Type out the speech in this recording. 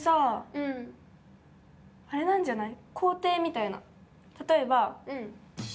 うん。あれなんじゃない？